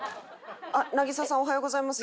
渚さんおはようございます。